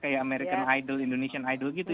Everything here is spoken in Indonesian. kayak american idol indonesian idol gitu